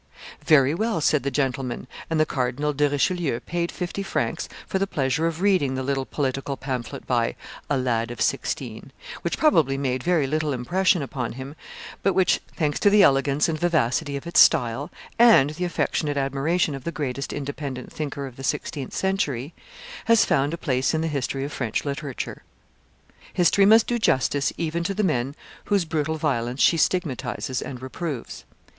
'Very well,' said the gentleman;" and the Cardinal do Richelieu paid fifty francs for the pleasure of reading the little political pamphlet by "a lad of sixteen," which probably made very little impression upon him, but which, thanks to the elegance and vivacity of its style, and the affectionate admiration of the greatest independent thinker of the sixteenth century, has found a place in the history of French literature. [Memoires de Tallemant des Reaux, t. i. p. 395.] [Illustration: Anne de Montmorency 235] History must do justice even to the men whose brutal violence she stigmatizes and reproves.